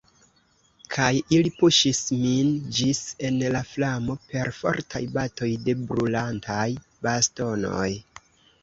Kaj ili puŝis min ĝis en la flamo per fortaj batoj de brulantaj bastonoj.